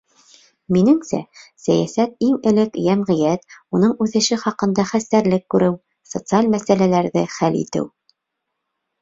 Минеңсә, сәйәсәт — иң элек йәмғиәт, уның үҫеше хаҡында хәстәрлек күреү, социаль мәсьәләләрҙе хәл итеү.